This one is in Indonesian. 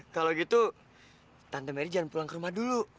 kalau gitu tante meri jangan pulang ke rumah dulu